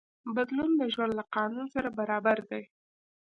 بدلون د ژوند له قانون سره برابر دی.